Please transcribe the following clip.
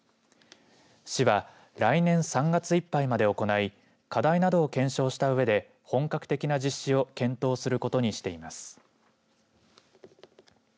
市は来年３月いっぱいまで行い課題などを検証したうえで本格的な実施を検討することにしています。